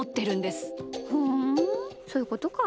ふんそういうことか。